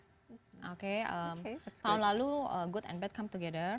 tahun lalu baik dan buruk berkumpul